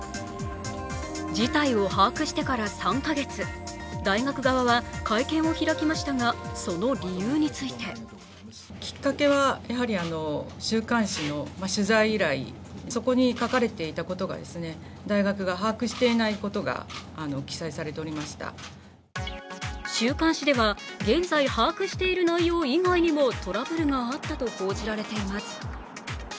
事態を把握してから３か月、大学側は会見を開きましたが、その理由について週刊誌では、現在把握している内容以外にもトラブルがあったと報じられています。